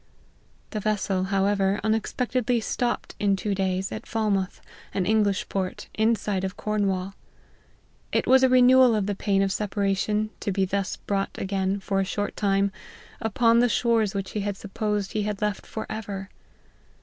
The vessel, however, unexpectedly stopped in two days, at Falmouth, an English port, in sight of Cornwall. It was a renewal of the pain of separa tion to be thus brought again, for a short time, upon the shores which he had supposed he had left for >ver.